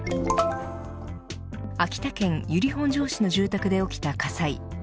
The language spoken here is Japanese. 秋田県由利本荘市の住宅で起きた火災。